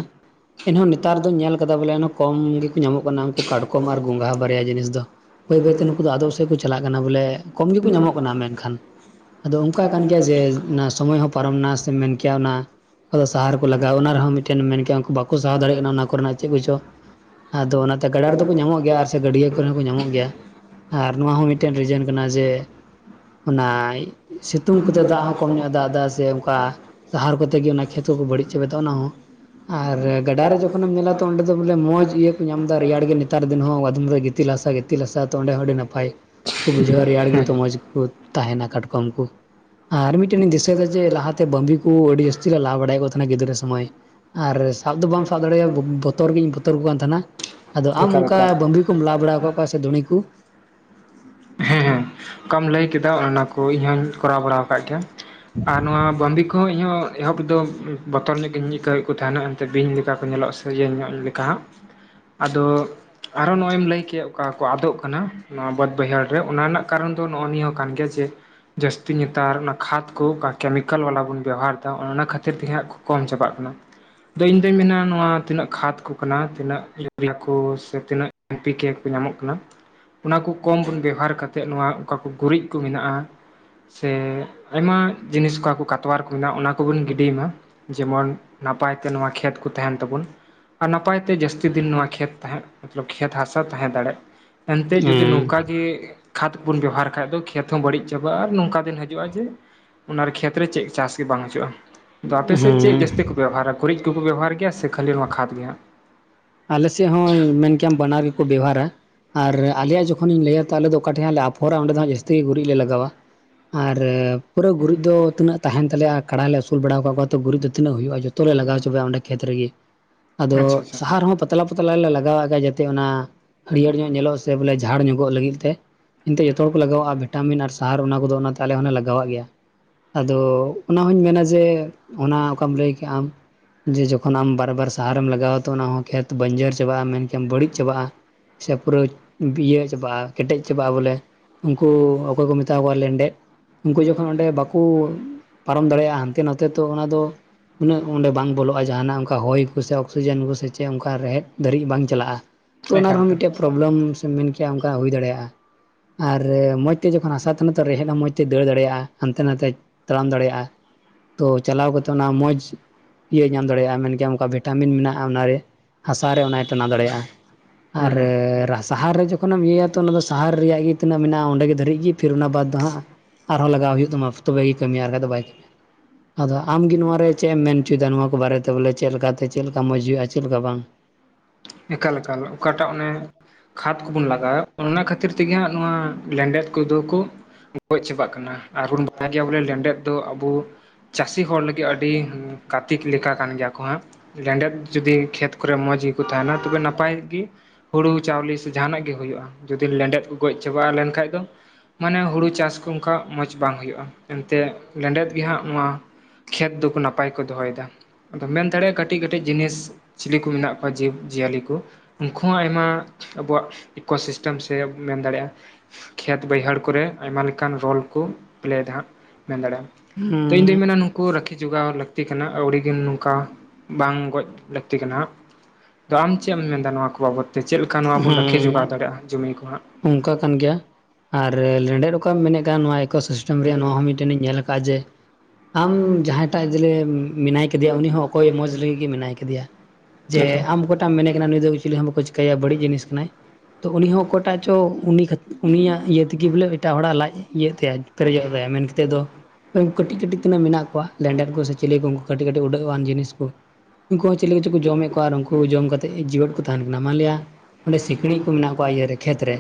ᱮᱱᱦᱚᱸ ᱱᱮᱛᱟᱨ ᱫᱚᱧ ᱧᱮᱞ ᱠᱟᱫᱟ ᱵᱚᱞᱮ ᱠᱚᱢ ᱜᱮᱠᱚ ᱧᱟᱢᱚᱜ ᱠᱟᱱᱟ ᱩᱱᱠᱩ ᱠᱟᱴᱠᱚᱢ ᱟᱨ ᱜᱚᱝᱜᱷᱟ᱾ ᱵᱟᱨᱭᱟ ᱡᱤᱱᱤᱥ ᱫᱚ ᱵᱟᱹᱭ ᱵᱟᱹᱭᱛᱮ ᱱᱩᱠᱩ ᱫᱚ ᱟᱫᱚᱜ ᱥᱮᱫ ᱠᱚ ᱪᱟᱞᱟᱜ ᱠᱟᱱᱟ ᱵᱚᱞᱮ ᱠᱚᱢ ᱜᱮᱠᱚ ᱧᱟᱢᱚᱜ ᱠᱟᱱᱟ ᱢᱮᱱᱠᱷᱟᱱ ᱟᱫᱚ ᱚᱱᱠᱟ ᱠᱟᱱ ᱜᱮᱭᱟ ᱡᱮ ᱚᱱᱟ ᱥᱚᱢᱚᱭ ᱦᱚᱸ ᱯᱟᱨᱚᱢᱱᱟ ᱥᱮ ᱢᱮᱱ ᱠᱮᱭᱟ ᱚᱱᱟᱼᱼ ᱟᱫᱚ ᱥᱟᱨ ᱠᱚ ᱞᱟᱜᱟᱣ ᱚᱱᱟ ᱨᱮᱦᱚᱸ ᱢᱤᱫᱴᱮᱱ ᱢᱮᱱ ᱠᱮᱭᱟ ᱩᱱᱠᱩ ᱵᱟᱠᱚ ᱥᱟᱦᱟᱣ ᱫᱟᱲᱮᱭᱟᱜ ᱠᱟᱱᱟ ᱚᱱᱟ ᱠᱚᱨᱮᱱᱟᱜ ᱪᱮᱫ ᱠᱚᱪᱚ ᱟᱫᱚ ᱚᱱᱟᱛᱮ ᱜᱟᱰᱟ ᱨᱮᱫᱚᱠᱚ ᱧᱟᱢᱚᱜ ᱜᱮᱭᱟ ᱟᱨ ᱥᱮ ᱜᱟᱹᱰᱭᱟᱹ ᱠᱚᱨᱮ ᱦᱚᱸ ᱠᱚ ᱧᱟᱢᱚᱜ ᱜᱮᱭᱟ᱾ ᱟᱨ ᱱᱚᱣᱟ ᱦᱚᱸ ᱢᱤᱫᱴᱮᱱ ᱨᱤᱡᱮᱱ ᱠᱟᱱᱟ ᱡᱮ ᱚᱱᱟ ᱥᱤᱛᱩᱝ ᱠᱚᱛᱮ ᱫᱟᱜ ᱦᱚᱸ ᱠᱚᱢ ᱧᱚᱜᱼᱮ ᱫᱟᱜ ᱫᱟᱭ ᱥᱮ ᱚᱱᱠᱟ ᱥᱟᱨ ᱠᱚᱛᱮ ᱜᱮ ᱚᱱᱟ ᱠᱷᱮᱛ ᱠᱚ ᱵᱟᱹᱲᱤᱡ ᱪᱟᱵᱮᱫᱟ ᱚᱱᱟ ᱦᱚᱸ ᱟᱨ ᱜᱟᱰᱟ ᱨᱮ ᱡᱚᱠᱷᱚᱱᱮᱢ ᱧᱮᱞᱟ ᱛᱚ ᱚᱸᱰᱮ ᱫᱚ ᱵᱚᱞᱮ ᱢᱚᱸᱡᱽ ᱤᱭᱟᱹ ᱠᱚ ᱧᱟᱢ ᱮᱫᱟ ᱨᱮᱭᱟᱲ ᱜᱮ ᱱᱮᱛᱟᱨ ᱫᱤᱱ ᱦᱚᱸ ᱚᱸᱰᱮ ᱜᱤᱛᱤᱞ ᱦᱟᱥᱟ ᱜᱤᱛᱤᱞ ᱦᱟᱥᱟ ᱛᱚ ᱚᱸᱰᱮ ᱦᱚ ᱟᱹᱰᱤ ᱱᱟᱯᱟᱭ, ᱵᱩᱡᱷᱟᱹᱟ ᱨᱮᱭᱟᱲ ᱦᱮᱸ ᱜᱮᱛᱚ ᱢᱚᱸᱡᱽ ᱜᱮᱠᱚ ᱛᱟᱦᱮᱱᱟ ᱠᱟᱴᱠᱚᱢ ᱠᱚ᱾ ᱟᱨ ᱢᱤᱫᱴᱮᱱ ᱤᱧ ᱫᱤᱥᱟᱹᱭ ᱫᱟ ᱡᱮ ᱞᱟᱦᱟᱛᱮ ᱵᱟᱢᱵᱤ ᱠᱚ ᱟᱹᱰᱤ ᱡᱟᱹᱥᱛᱤ ᱞᱮ ᱞᱟ ᱵᱟᱲᱟᱭᱮᱫ ᱠᱚ ᱛᱟᱦᱮᱱᱟ ᱜᱤᱫᱽᱨᱟᱹ ᱥᱚᱢᱚᱭ ᱟᱨ ᱥᱟᱵ ᱫᱚ ᱵᱟᱢ ᱥᱟᱵ ᱫᱟᱲᱮᱭᱟᱜᱼᱟ ᱵᱚᱛᱚᱨ ᱜᱤᱧ ᱵᱚᱛᱚᱨ ᱠᱚ ᱠᱟᱱ ᱛᱟᱦᱮᱱᱟ ᱟᱫᱚ ᱟᱢ ᱮᱠᱟᱞ ᱚᱱᱠᱟ ᱮᱠᱟᱞ ᱵᱟᱵᱤ ᱠᱚᱢ ᱞᱟ ᱵᱟᱲᱟ ᱠᱟᱫ ᱠᱚᱣᱟ ᱥᱮ ᱫᱩᱲᱤ ᱠᱩ? ᱦᱮᱸ ᱦᱮᱸ ᱚᱠᱟᱢ ᱞᱟᱹᱭ ᱠᱮᱫᱟ ᱚᱱᱮ ᱚᱱᱟ ᱠᱚ ᱤᱧᱦᱚᱧ ᱠᱚᱨᱟᱣ ᱵᱟᱲᱟ ᱠᱟᱫ ᱜᱮᱭᱟ ᱟᱨ ᱱᱚᱭᱟ ᱵᱟᱢᱵᱤ ᱠᱚᱦᱚᱸ ᱤᱧᱦᱚᱸ ᱮᱦᱚᱵ ᱫᱚ ᱵᱚᱛᱚᱨ ᱧᱚᱜ ᱜᱤᱧ ᱟᱹᱭᱠᱟᱹᱣᱮᱫ ᱠᱚ ᱛᱟᱦᱮᱱᱟ ᱮᱱᱛᱮ ᱵᱤᱧ ᱞᱮᱠᱟ ᱠᱚ ᱧᱮᱞᱚᱜᱼᱟ ᱥᱮ ᱤᱭᱟᱹ ᱧᱚᱜ ᱞᱮᱠᱟ ᱟᱫᱚ ᱟᱨᱚ ᱱᱚᱚᱭᱢ ᱞᱟᱹᱭᱠᱮᱫ ᱚᱠᱟ ᱠᱚ ᱟᱫᱚ ᱠᱟᱱᱟ ᱱᱚᱣᱟ ᱵᱟᱹᱫ ᱵᱟᱹᱭᱦᱟᱹᱲ ᱨᱮ ᱚᱱᱟ ᱨᱮᱱᱟᱜ ᱠᱟᱨᱚᱱ ᱫᱚ ᱱᱚᱼ ᱱᱤᱭᱟᱹ ᱠᱟᱱ ᱜᱮᱭᱟ ᱡᱮ ᱡᱟᱹᱥᱛᱤ ᱱᱮᱛᱟᱨ ᱚᱱᱟ ᱠᱷᱟᱫ ᱠᱚ ᱠᱮᱢᱤᱠᱮᱞ ᱵᱟᱞᱟ ᱵᱚᱱ ᱵᱮᱵᱚᱦᱟᱨ ᱫᱟ ᱚᱱᱮ ᱚᱱᱟ ᱠᱷᱟᱹᱛᱤᱨ ᱛᱮ ᱦᱟᱸᱜ ᱠᱚᱢ ᱪᱟᱵᱟᱜ ᱠᱟᱱᱟ᱾ ᱤᱧ ᱫᱩᱧ ᱢᱮᱱᱟ ᱱᱚᱣᱟ ᱛᱤᱱᱟᱹ ᱠᱷᱟᱫ ᱠᱚ ᱠᱟᱱᱟ ᱛᱤᱱᱟᱹ ᱤᱭᱟ ᱠᱚ ᱥᱮ ᱛᱤᱱᱟᱹᱜ [unintelligible] ᱠᱚ ᱧᱟᱢᱚᱜ ᱠᱟᱱᱟ᱾ [inaudible] ᱚᱱᱟ ᱠᱚ ᱠᱚᱢ ᱵᱮᱵᱦᱟᱨ ᱠᱟᱛᱮᱫ ᱱᱚᱣᱟ ᱚᱠᱟᱠᱚ ᱜᱩᱨᱤᱡ ᱠᱚ ᱢᱮᱱᱟᱜᱼᱟ ᱥᱮ ᱟᱭᱢᱟ ᱡᱤᱱᱤᱥ ᱠᱚ ᱟᱵᱚ ᱠᱟᱛᱣᱭᱟ ᱨᱮᱠᱚ ᱢᱮᱱᱟᱜᱼᱟ ᱚᱱᱟ ᱠᱚᱵᱚᱱ ᱜᱤᱰᱤᱭ ᱢᱟ, ᱡᱮᱢᱚᱱ ᱱᱟᱯᱟᱭᱛᱮ ᱱᱚᱣᱟ ᱠᱷᱮᱛ ᱠᱚ ᱛᱟᱦᱮᱱ ᱛᱟᱵᱚᱱ, ᱟᱨ ᱱᱟᱯᱟᱭ ᱛᱮ ᱡᱟᱹᱥᱛᱤ ᱫᱤᱱ ᱱᱚᱣᱟ ᱠᱷᱮᱛ ᱛᱟᱦᱮ ᱢᱚᱛᱞᱚᱵ ᱠᱷᱮᱛ ᱦᱟᱥᱟ ᱛᱟᱦᱮᱸ ᱫᱟᱲᱮ ᱮᱱᱛᱮ ᱡᱩᱫᱤ ᱦᱮᱸ ᱱᱚᱝᱠᱟ ᱜᱮ ᱠᱷᱟᱫᱽ ᱵᱚᱱ ᱵᱮᱵᱦᱚᱦᱟᱨ ᱠᱷᱟᱡ ᱫᱚ ᱠᱷᱮᱛ ᱦᱚᱸ ᱵᱟᱹᱲᱤᱡ ᱪᱟᱵᱟᱜᱼᱟ ᱟᱨ ᱱᱚᱝᱠᱟ ᱫᱤᱱ ᱦᱤᱡᱩᱜᱼᱟ ᱡᱮ ᱚᱱᱟ ᱨᱮ ᱠᱷᱮᱛᱨᱮ ᱪᱮᱫ ᱪᱟᱥ ᱜᱮ ᱵᱟᱝ ᱦᱤᱡᱩᱼᱟ᱾ ᱟᱫᱚ ᱟᱯᱮᱥᱮᱫ ᱪᱮᱫ ᱦᱮᱸ ᱡᱟᱹᱥᱛᱤ ᱠᱚ ᱵᱮᱵᱚᱦᱟᱨᱟ ᱜᱩᱨᱤᱡ ᱠᱚᱠᱚ ᱵᱮᱵᱚᱦᱟᱨ ᱜᱮᱭᱟ ᱥᱮ ᱠᱷᱟᱹᱞᱤ ᱠᱷᱟᱫᱽ ᱜᱮ ᱦᱟᱸ? ᱟᱞᱮ ᱥᱮᱫ ᱦᱚᱸ ᱢᱮᱱ ᱠᱮᱭᱟ ᱵᱟᱱᱟᱨ ᱜᱮᱠᱚ ᱵᱮᱣᱦᱟᱨᱟ ᱟᱨ ᱟᱞᱮᱭᱟᱜ ᱡᱚᱠᱷᱚᱱ ᱤᱧ ᱞᱟᱹᱭ ᱛᱟᱦᱚᱞᱮ ᱫᱚ ᱚᱠᱟ ᱴᱷᱮᱡ ᱟᱯᱷᱚᱨᱼᱟ ᱚᱸᱰᱮ ᱫᱚ ᱡᱟᱹᱥᱛᱤ ᱜᱮ ᱜᱩᱨᱤᱡ ᱞᱮ ᱞᱟᱜᱟᱣᱟ᱾ ᱟᱨ ᱯᱩᱨᱟᱹ ᱜᱩᱨᱤᱡ ᱫᱚ ᱛᱤᱱᱟᱹᱜ ᱛᱟᱦᱮᱱ ᱛᱟᱞᱮᱭᱟ ᱠᱟᱲᱟ ᱞᱮ ᱟᱹᱥᱩᱞ ᱵᱟᱲᱟ ᱠᱟᱫ ᱠᱚᱣᱟ ᱛᱚ ᱜᱩᱨᱤᱡ ᱫᱚ ᱛᱤᱱᱟᱹ ᱦᱩᱭᱩᱜᱼᱟ ᱡᱚᱛᱚ ᱡᱚᱛᱚᱞᱮ ᱞᱟᱜᱟᱣ ᱪᱚᱵᱟᱭᱟ ᱚᱸᱰᱮ ᱠᱷᱮᱛ ᱨᱮᱜᱮ ᱟᱫᱚ ᱟᱪᱪᱷᱟ ᱟᱪᱪᱷᱟ ᱟᱨᱦᱚᱸ ᱯᱟᱛᱞᱟ ᱯᱟᱛᱞᱟ ᱞᱮ ᱞᱟᱜᱟᱣᱮᱫ ᱜᱮ ᱡᱟᱛᱮ ᱚᱱᱟ ᱦᱟᱹᱨᱭᱟᱹᱲ ᱧᱚᱜ ᱧᱮᱞᱚ ᱥᱮ ᱵᱚᱞᱮ ᱡᱷᱟᱲ ᱧᱚᱜᱚᱜ ᱞᱟᱹᱜᱤᱫ ᱛᱮ ᱮᱱᱛᱮ ᱡᱚᱛᱚ ᱦᱚᱲ ᱠᱚ ᱞᱟᱜᱟᱣᱟᱜᱼᱟ ᱵᱷᱤᱴᱟᱢᱤᱱ ᱟᱨ ᱟᱨ ᱚᱱᱟ ᱠᱚᱫᱚ ᱚᱱᱟᱛᱮ ᱟᱞᱮ ᱦᱚᱸᱞᱮ ᱞᱟᱜᱟᱣᱟᱜ ᱜᱮᱭᱟ ᱟᱫᱚᱼᱼ ᱚᱱᱟ ᱦᱚᱧ ᱢᱮᱱᱟ ᱡᱮ ᱚᱱᱟ ᱚᱠᱟᱢ ᱞᱟᱹᱭ ᱠᱟᱟᱢ ᱡᱮ ᱡᱚᱠᱷᱚᱱ ᱟᱢ ᱵᱟᱨᱮ ᱵᱟᱨ ᱥᱟᱦᱟᱨᱮᱢ ᱞᱟᱜᱟᱣᱼᱼ ᱛᱚ ᱚᱱᱟ ᱦᱚᱸ ᱠᱷᱮᱛ ᱵᱟᱹᱧᱡᱟᱹᱨ ᱪᱟᱵᱟᱜᱼᱟ ᱢᱮᱱᱠᱷᱟᱱ ᱵᱟᱹᱲᱤᱡ ᱪᱟᱵᱟᱜᱼᱟ᱾ ᱥᱮ ᱯᱩᱨᱟᱹ ᱤᱭᱟᱹ ᱪᱟᱵᱟᱜᱼᱟ ᱠᱮᱴᱮᱡ ᱪᱟᱵᱟᱜᱼᱟ ᱵᱚᱞᱮ, ᱩᱱᱠᱩ ᱚᱠᱚᱭ ᱠᱚ ᱢᱮᱛᱟ ᱠᱚᱣᱟ ᱞᱮᱱᱰᱮᱫ ᱩᱱᱠᱩ ᱡᱚᱠᱷᱚᱱ ᱚᱸᱰᱮ ᱵᱟᱠᱚ ᱯᱟᱨᱚᱢ ᱫᱟᱲᱮᱭᱟᱜᱼᱟ ᱦᱟᱱᱛᱮ ᱱᱟᱛᱮ ᱛᱚ ᱚᱱᱟ ᱫᱚ ᱩᱱᱟᱹᱜ ᱚᱸᱰᱮ ᱵᱟᱝ ᱵᱚᱞᱚᱜᱼᱟ ᱡᱟᱦᱟᱱᱟᱜ ᱚᱱᱠᱟ ᱦᱚᱭ ᱠᱚᱥᱮ ᱚᱠᱥᱤᱡᱮᱱ ᱠᱚ, ᱪᱮᱫ ᱚᱱᱠᱟ ᱨᱮᱦᱮᱫ ᱫᱷᱟᱹᱨᱤᱡ ᱵᱟᱝ ᱪᱟᱞᱟᱜᱼᱟ ᱛᱚ ᱚᱱᱟ ᱮᱠᱟᱞ ᱮᱠᱟᱞ ᱨᱮᱦᱚᱸ ᱢᱤᱫ ᱯᱨᱳᱚᱵᱞᱮᱢ ᱥᱮᱢ ᱢᱮᱱᱠᱮᱭᱟ ᱚᱱᱠᱟ ᱦᱩᱭ ᱫᱟᱲᱮᱭᱟᱜᱼᱟ᱾ ᱟᱨ ᱢᱚᱸᱡᱽ ᱛᱮ ᱡᱚᱠᱷᱚᱱ ᱦᱟᱥᱟ ᱛᱟᱦᱮᱱᱟ ᱛᱚ ᱨᱮᱦᱮᱫ ᱦᱚᱸ ᱢᱚᱸᱡᱽ ᱛᱮ ᱫᱟᱹᱲ ᱫᱟᱲᱮᱭᱟᱜᱼᱟ᱾ ᱦᱟᱱᱛᱮ ᱱᱟᱛᱮ ᱛᱟᱲᱟᱢ ᱫᱟᱲᱮᱭᱟᱼᱟ᱾ ᱛᱚ ᱪᱟᱞᱟᱣ ᱠᱟᱛᱮᱜ ᱚᱱᱟ ᱢᱚᱸᱡᱽ ᱤᱭᱟᱹ ᱧᱟᱢ ᱫᱟᱲᱮᱭᱟᱜᱼᱟ ᱢᱮᱱᱠᱮᱭᱟ ᱚᱱᱠᱟ ᱵᱷᱤᱴᱟᱢᱤᱱ ᱢᱮᱱᱟᱜᱼᱟ ᱚᱱᱟᱨᱮ᱾ ᱦᱟᱥᱟ ᱨᱮ ᱚᱱᱟᱭ ᱴᱟᱱᱟᱣ ᱫᱟᱲᱮᱭᱟᱼᱟ ᱟᱨ ᱦᱩᱸ ᱨᱟᱥ ᱥᱟᱦᱟᱨ ᱨᱮ ᱡᱚᱠᱷᱚᱱᱮᱢ ᱤᱭᱟᱹᱭᱟ ᱛᱚ ᱚᱱᱟ ᱫᱚ ᱥᱟᱦᱟᱨ ᱨᱮᱭᱟᱜ ᱜᱮ ᱛᱤᱱᱟᱹᱜ ᱢᱮᱱᱟᱜᱼᱟ ᱚᱸᱰᱮ ᱜᱮ ᱫᱷᱟᱹᱨᱤᱡ ᱜᱮ ᱯᱷᱤᱨ ᱚᱱᱟ ᱵᱟᱫᱽ ᱫᱚ ᱦᱟᱸᱜ ᱟᱨᱦᱚᱸ ᱞᱟᱜᱟᱣ ᱦᱩᱭᱩᱜ ᱛᱟᱢᱟ ᱛᱚᱵᱮ ᱜᱮ ᱠᱟᱹᱢᱤᱭᱟ ᱟᱨ ᱵᱟᱠᱟᱱ ᱫᱚ ᱵᱟᱭ ᱠᱟᱹᱤᱭᱟ᱾ ᱟᱫᱚ ᱟᱢᱜᱮ ᱱᱚᱭᱟ ᱨᱮ ᱪᱮᱫ ᱮᱢ ᱢᱮᱱ ᱦᱚᱪᱚᱭᱮᱫᱟ ᱱᱚᱣᱟ ᱠᱚ ᱵᱟᱨᱮᱛᱮ ᱵᱚᱞᱮ ᱪᱮᱫ ᱞᱮᱠᱟᱛᱮ ᱪᱮᱫ ᱞᱮᱠᱟ ᱢᱚᱸᱡᱽ ᱦᱩᱭᱩᱜᱼᱟ ᱡᱮ, ᱪᱮᱫ ᱞᱮᱠᱟ ᱵᱟᱝ᱾ ᱮᱠᱟᱞ ᱮᱠᱟᱞ ᱚᱠᱟᱴᱟᱜ ᱚᱱᱮ ᱠᱷᱟᱫ ᱠᱚᱵᱚᱱ ᱞᱟᱜᱟᱣᱟ ᱚᱱᱟ ᱠᱷᱟᱹᱛᱤᱨ ᱛᱮᱜᱮ ᱦᱟᱸ ᱱᱚᱣᱟ ᱞᱮᱸᱰᱮᱛ ᱠᱚᱫᱚ ᱠᱚ ᱜᱚᱡ ᱪᱟᱵᱟᱜ ᱠᱟᱱᱟ, ᱟᱨᱵᱚᱱ ᱵᱟᱲᱟᱭ ᱜᱮᱭᱟ ᱵᱚᱞᱮ ᱞᱮᱸᱰᱮᱛ ᱫᱚ ᱟᱵᱚ ᱪᱟᱹᱥᱤ ᱦᱚᱲ ᱞᱟᱹᱜᱤᱫ ᱟᱹᱰᱤ ᱠᱟᱨᱛᱤᱠ ᱞᱮᱠᱟ ᱠᱟᱱ ᱜᱮᱭᱟ ᱠᱚ ᱦᱟᱸᱜ᱾ ᱞᱮᱸᱰᱮᱫ ᱡᱩᱫᱤ ᱠᱷᱮᱛ ᱠᱚᱨᱮ ᱢᱚᱸᱡᱽ ᱜᱮᱠᱚ ᱛᱟᱦᱮᱱᱟ ᱛᱚᱵᱮ ᱱᱟᱯᱟᱭ ᱜᱮ᱾ ᱦᱩᱲᱩ, ᱪᱟᱣᱞᱮ ᱥᱮ ᱡᱟᱦᱟᱱᱟᱜ ᱜᱮ ᱦᱩᱭᱩᱜᱼᱟ ᱡᱩᱫᱤ ᱞᱮᱸᱰᱮᱫ ᱠᱚ ᱜᱚᱡ ᱪᱟᱵᱟᱜᱼᱟ ᱞᱮᱱ ᱠᱷᱟᱡ ᱫᱚ ᱢᱟᱱᱮ ᱦᱩᱲᱩ ᱪᱟᱥ ᱠᱚ ᱚᱝᱠᱟ ᱢᱚᱸᱡᱽ ᱵᱟᱝ ᱦᱩᱭᱩᱜᱼᱟ᱾ ᱮᱱᱛᱮ ᱞᱮᱸᱰᱮᱫ ᱜᱮ ᱦᱟᱸᱜ ᱱᱚᱣᱟ ᱠᱷᱮᱛ ᱫᱚᱠᱚ ᱱᱟᱯᱟᱭ ᱠᱚ ᱫᱚᱦᱚᱭᱮᱫᱟ᱾ ᱟᱫᱚ ᱢᱮᱱ ᱫᱟᱲᱮᱭᱟᱜᱼᱟ ᱠᱟᱹᱴᱤᱡ ᱠᱟᱹᱴᱤᱡ ᱡᱤᱱᱤᱥ ᱪᱤᱞᱤ ᱠᱚ ᱢᱮᱱᱟᱜ ᱠᱚᱣᱟ ᱡᱤᱵᱽ ᱡᱤᱭᱟᱹᱞᱤ ᱠᱚ᱾ ᱩᱱᱠᱩ ᱦᱚᱸ ᱟᱭᱢᱟ ᱟᱵᱚᱣᱟᱜ ᱤᱠᱳ ᱥᱤᱥᱴᱮᱢ ᱥᱮ ᱢᱮᱱ ᱫᱟᱲᱮᱭᱟᱜᱼᱟ ᱠᱷᱮᱛ ᱵᱟᱹᱭᱦᱟᱹᱲ ᱠᱚᱨᱮ ᱟᱭᱢᱟ ᱞᱮᱠᱟᱱ ᱨᱳᱞ ᱠᱚ ᱯᱞᱮᱹᱭᱫᱟ ᱦᱟᱸᱜ ᱢᱮᱱ ᱫᱟᱲᱮᱭᱟᱜ-ᱟᱢ᱾ ᱛᱚ ᱤᱧ ᱫᱩᱧ ᱦᱮᱸ ᱢᱮᱱᱟ ᱱᱩ ᱠᱩ ᱨᱟᱹᱠᱷᱤ ᱡᱚᱜᱟᱣ ᱞᱟᱹᱠᱛᱤ ᱠᱟᱱᱟ ᱟᱹᱣᱲᱤ ᱜᱮ ᱱᱚᱝᱠᱟ ᱵᱟᱝ ᱜᱚᱡ ᱞᱟᱹᱠᱛᱤ ᱠᱟᱱᱟ᱾ ᱟᱫᱚ ᱟᱢ ᱪᱮᱫ ᱮᱢ ᱢᱮᱱ ᱫᱟ ᱱᱚᱣᱟ ᱠᱚ ᱵᱟᱵᱚᱫ? ᱛᱮ ᱪᱮᱫ ᱞᱮᱠᱟ ᱱᱚᱣᱟ ᱵᱚᱱ ᱨᱟᱹᱠᱷᱤ ᱦᱮᱸ ᱡᱚᱜᱟᱣ ᱫᱟᱲᱮᱭᱟᱜᱼᱟ ᱡᱚᱢᱤ ᱠᱚ ᱦᱟᱸᱜ? ᱚᱱᱠᱟ ᱠᱟᱱ ᱜᱮᱭᱟ ᱟᱨ ᱞᱮᱸᱰᱮᱫ ᱚᱠᱟᱢ ᱢᱮᱱᱮᱫ ᱠᱟᱱ ᱱᱚᱣᱟ ᱤᱠᱳ ᱥᱤᱥᱴᱮᱢ ᱨᱮᱭᱟᱜ ᱱᱚᱣᱟ ᱦᱚᱸ ᱢᱤᱫᱴᱮᱱ ᱤᱧ ᱧᱮᱞ ᱟᱠᱟᱜᱼᱟ ᱡᱮ, ᱟᱢ ᱡᱟᱦᱟᱸᱭ ᱴᱟᱜ ᱡᱮᱞᱮ ᱢᱮᱱᱟᱭ ᱠᱟᱫᱮᱭᱟ ᱩᱱᱤ ᱦᱚᱸ ᱚᱠᱚᱭ ᱢᱚᱡᱽ ᱞᱟᱹᱜᱤᱫ ᱜᱮ ᱢᱮᱱᱟᱭ ᱠᱟᱫᱮᱭᱟ᱾ ᱡᱮ ᱟᱢ ᱚᱠᱚᱭ ᱴᱟᱜ-ᱮᱢ ᱢᱮᱱᱮᱜ ᱠᱟᱱᱟ ᱱᱩᱭ ᱫᱚ ᱪᱤᱞᱤ ᱦᱚᱸ ᱵᱟᱠᱚ ᱪᱤᱠᱟᱹᱭᱟ ᱵᱟᱹᱲᱤᱡ ᱡᱤᱱᱤᱥ ᱠᱟᱱᱟᱭ᱾ ᱛᱚ ᱩᱱᱤ ᱦᱚᱸ ᱚᱠᱚᱭ ᱴᱟᱜ ᱪᱚ ᱩᱱᱤ ᱠᱷᱟᱛ, ᱩᱱᱤᱭᱟᱜ ᱤᱭᱟᱹ ᱛᱮᱜᱮ ᱵᱚᱞᱮ ᱮᱴᱟᱜ ᱦᱚᱲᱟᱜ ᱞᱟᱡ ᱤᱭᱟᱹᱜ ᱛᱟᱭᱟ᱾ ᱯᱮᱨᱮᱡᱚᱜ ᱛᱟᱭᱟ ᱢᱮᱱ ᱠᱟᱛᱮᱫ ᱫᱚ ᱠᱟᱹᱴᱤᱡ ᱠᱟᱹᱴᱤᱡ ᱛᱤᱱᱟᱹᱜ ᱢᱮᱱᱟᱜ ᱠᱚᱣᱟ ᱞᱮᱸᱰᱮᱫ ᱠᱚ ᱥᱮ ᱪᱮᱞᱮ ᱠᱚ ᱩᱱᱠᱩ ᱠᱟᱹᱴᱤᱡ ᱠᱟᱹᱴᱤᱡ ᱩᱰᱟᱹᱜ-ᱟᱱ ᱡᱤᱱᱤᱥ ᱠᱚ᱾ ᱩᱱᱠᱩ ᱦᱚᱸ ᱪᱤᱠᱤ ᱪᱚ ᱠᱚ ᱡᱚᱢᱮᱫ ᱠᱚᱣᱟ ᱟᱨ ᱩᱱᱠᱩ ᱡᱚᱢ ᱠᱟᱛᱮᱫ ᱡᱤᱣᱮᱫ ᱠᱚ ᱛᱟᱦᱮᱱ ᱠᱟᱱᱟ᱾ ᱟᱞᱮᱭᱟᱜ ᱚᱸᱰᱮ ᱥᱤᱠᱬᱤᱡ ᱠᱚ ᱢᱮᱱᱟᱜ ᱠᱚᱣᱟ ᱤᱭᱟᱹ ᱨᱮ, ᱠᱷᱮᱛ ᱨᱮ᱾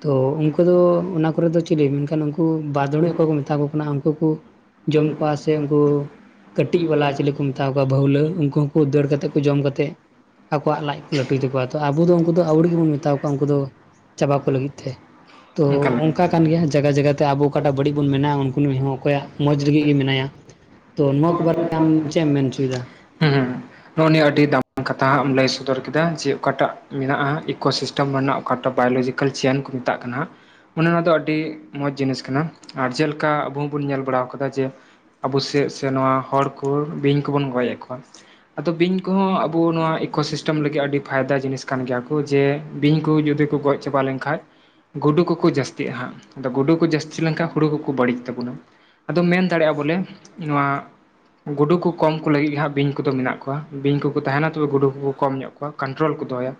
ᱛᱚ, ᱩᱱᱠᱩ ᱫᱚ ᱚᱱᱟ ᱠᱚᱨᱮ ᱫᱚ ᱪᱤᱞᱤ ᱢᱮᱱᱠᱷᱟᱱ ᱩᱱᱠᱩ ᱵᱟᱫᱲᱩᱡ ᱚᱠᱚᱭ ᱠᱚ ᱢᱮᱛᱟ ᱠᱚ ᱠᱟᱱᱟ ᱩᱱᱠᱩ ᱠᱚ᱾ ᱡᱚᱢ ᱠᱚᱣᱟ ᱥᱮ ᱩᱱᱠᱩ ᱠᱟᱹᱴᱤᱡ ᱵᱟᱞᱟ ᱪᱤᱞᱤ ᱢᱮᱛᱟ ᱠᱚᱣᱟ ᱵᱷᱟᱹᱣᱞᱟᱹ ᱩᱱᱠᱩ ᱦᱚᱸᱠᱚ ᱫᱟᱹᱲ ᱠᱟᱛᱮ ᱠᱚ ᱡᱚᱢ ᱠᱟᱛᱮ ᱟᱠᱚᱣᱟᱜ ᱞᱟᱡ ᱠᱚ ᱞᱟᱹᱴᱩᱭ ᱛᱟᱠᱚᱣᱟ᱾ ᱛᱚ ᱟᱵᱚ ᱫᱚ ᱩᱱᱠᱩ ᱫᱚ ᱟᱹᱣᱲᱤ ᱜᱮᱵᱚᱱ ᱢᱮᱛᱟ ᱠᱚᱣᱟ ᱩᱱᱠᱩ ᱫᱚ ᱪᱟᱵᱟ ᱠᱚ ᱞᱟᱹᱜᱤᱫ ᱛᱮ᱾ ᱛᱚ, ᱚᱱᱠᱟ ᱠᱟᱱ ᱜᱮᱭᱟ ᱡᱟᱭᱜᱟ ᱡᱟᱭᱜᱟ ᱛᱮ ᱟᱵᱚ ᱚᱠᱟ ᱴᱟᱜ ᱵᱟᱹᱲᱤᱡ ᱵᱚᱱ ᱢᱮᱱᱟ ᱩᱱᱠᱩ ᱦᱚᱸ ᱚᱠᱚᱭ ᱟᱜ ᱢᱚᱡᱽ ᱞᱟᱹᱜᱤᱫ ᱜᱮ ᱢᱮᱱᱟᱭᱟ᱾ ᱛᱚ, ᱱᱚᱣᱟ ᱠᱚ ᱵᱟᱨᱮᱛᱮ ᱟᱢ ᱪᱮᱫ ᱮᱢ ᱢᱮᱱ ᱦᱚᱪᱚᱭᱫᱟ? ᱦᱩᱸ, ᱱᱚᱜ-ᱚ ᱱᱤᱭᱟᱹ ᱟᱹᱰᱤ ᱫᱟᱢᱟᱱ ᱠᱟᱛᱷᱟᱢ ᱞᱟᱹᱭ ᱥᱚᱫᱚᱨ ᱠᱮᱫᱟ ᱡᱮ, ᱚᱠᱟ ᱴᱟᱜ ᱢᱮᱱᱟᱜᱼᱟ ᱤᱠᱳ ᱥᱤᱥ ᱴᱮᱢ ᱢᱟᱱᱮ ᱚᱠᱟᱴᱟᱜ ᱵᱟᱭᱳᱞᱚᱡᱤᱠᱮᱞ ᱪᱮᱱ ᱠᱚ ᱢᱮᱛᱟᱜ ᱠᱟᱱᱟ᱾ ᱱᱚᱣᱟ ᱫᱚ ᱟᱹᱰᱤ ᱢᱚᱸᱡᱽ ᱡᱤᱱᱤᱥ ᱠᱟᱱᱟ ᱟᱨ ᱪᱮᱫ ᱞᱮᱠᱟ ᱟᱵᱚ ᱦᱚᱸ ᱵᱚᱱ ᱧᱮᱞ ᱵᱟᱲᱟᱣ ᱠᱟᱫᱟ ᱡᱮ, ᱟᱵᱚ ᱥᱮᱡ ᱥᱮ ᱱᱚᱣᱟ ᱦᱚᱲ ᱠᱚ ᱵᱤᱧ ᱠᱚ ᱵᱚᱱ ᱜᱚᱡ ᱮᱫ ᱠᱚᱣᱟ᱾ ᱟᱫᱚ ᱵᱤᱧ ᱠᱚᱦᱚᱸ ᱟᱵᱚ ᱱᱚᱣᱟ ᱤᱠᱳ ᱥᱤᱥᱴᱮᱢ ᱞᱟᱹᱜᱤᱫ ᱟᱹᱰᱤ ᱯᱷᱟᱭᱫᱟ ᱡᱤᱱᱤᱥ ᱠᱟᱱ ᱜᱮᱭᱟ ᱠᱚ ᱡᱮ ᱵᱤᱧ ᱠᱚ ᱡᱩᱫᱤ ᱠᱚ ᱜᱚᱡ ᱪᱟᱵᱟ ᱞᱮᱱ ᱠᱷᱟᱡ ᱜᱩᱰᱩ ᱠᱚᱠᱚ ᱡᱟᱹᱥᱛᱤᱜᱼᱟ ᱦᱟᱸᱜ, ᱟᱫᱚ ᱜᱩᱰᱩ ᱠᱚ ᱡᱟᱹᱥᱛᱤ ᱞᱮᱱᱠᱷᱟᱡ ᱦᱩᱲᱩ ᱠᱚᱠᱚ ᱵᱟᱹᱲᱤᱡ ᱛᱟᱵᱚᱱᱟ᱾ ᱟᱫᱚᱢ ᱢᱮᱱ ᱫᱟᱲᱮᱭᱟᱜᱼᱟ ᱵᱚᱞᱮ ᱱᱚᱣᱟ ᱜᱩᱰᱩ ᱠᱚ ᱠᱚᱢ ᱠᱚ ᱞᱟᱹᱜᱤᱫ ᱦᱟᱸᱜ ᱵᱤᱧ ᱠᱚᱫᱚ ᱢᱮᱱᱟᱜ ᱠᱚᱣᱟ, ᱵᱤᱧ ᱠᱚᱠᱚ ᱛᱟᱦᱮᱱᱟ ᱛᱚᱵᱮ ᱜᱩᱰᱩ ᱠᱚᱠᱚ ᱠᱚᱢ ᱧᱚᱜ ᱠᱚᱣᱟ, ᱠᱚᱱᱴᱨᱳᱞ ᱠᱚ ᱫᱚᱦᱚᱭᱟ᱾